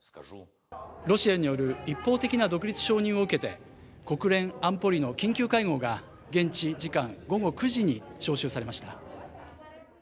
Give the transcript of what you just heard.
ロシアによる一方的な独立承認を受けて国連安保理の緊急会合が現地時間午後９時に招集されました。